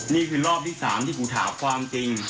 นี่คือรอบที่๓ที่ผมถามความจริง